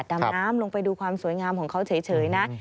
ดำน้ำลงไปดูความสวยงามของเขาเฉยนะ